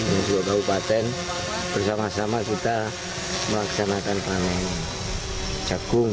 dan juga kabupaten bersama sama kita melaksanakan panen jagung